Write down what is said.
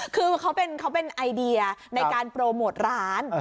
คือเขาเป็นไอเดียในการโปรโมทร้าน